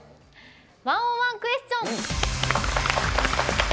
「１０１クエスチョン」。